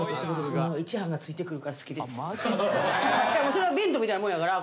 「それは弁当みたいなもんやから。